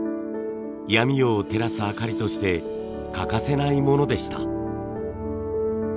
闇夜を照らす明かりとして欠かせないものでした。